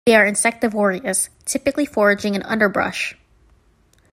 They are insectivorous, typically foraging in underbrush.